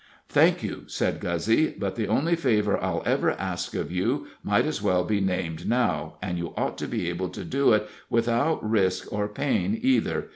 "Thank you," said Guzzy; "but the only favor I'll ever ask of you might as well be named now, and you ought to be able to do it without risk or pain either.